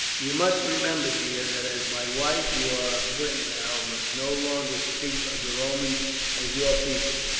You must remember, dear, that as my wife, you are a Briton now, and must no longer speak of the Romans as your people.